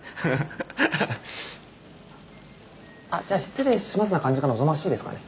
はっあっじゃあ失礼しますな感じが望ましいですかね？